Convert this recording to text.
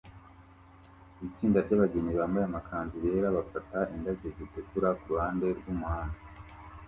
Itsinda ryabageni bambaye amakanzu yera bafata indabyo zitukura kuruhande rwumuhanda